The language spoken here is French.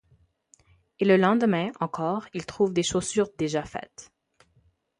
Et le lendemain, encore, il trouve des chaussures déjà faites.